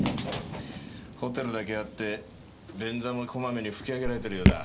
ホテルだけあって便座もこまめに拭きあげられてるようだ。